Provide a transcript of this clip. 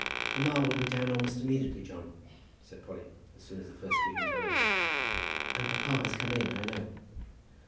"Mamma will be down almost immediately, John," said Polly as soon as the first greetings were over, "and papa has come in, I know."